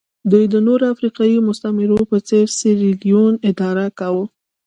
دوی د نورو افریقایي مستعمرو په څېر سیریلیون اداره کاوه.